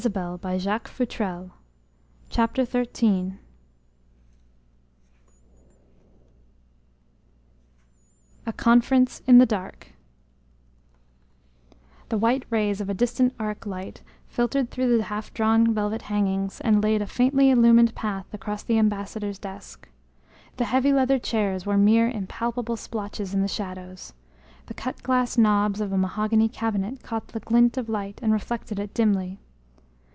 And he sat down to read the reports. XIII A CONFERENCE IN THE DARK The white rays of a distant arc light filtered through the half drawn velvet hangings and laid a faintly illumined path across the ambassador's desk; the heavy leather chairs were mere impalpable splotches in the shadows; the cut glass knobs of a mahogany cabinet caught the glint of light and reflected it dimly.